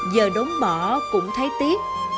giờ đốn bỏ cũng thấy tiếc